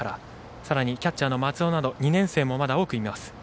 さらに、キャッチャーの松尾など２年生も多くいます。